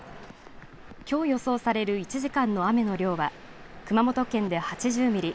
きょう予想される１時間の雨の量は熊本県で８０ミリ。